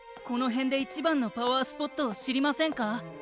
このへんでいちばんのパワースポットをしりませんか？